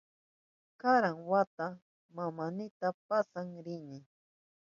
Karan wata mamaynita pasyak rini.